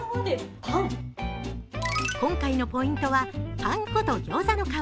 今回のポイントはパン粉とギョーザの皮。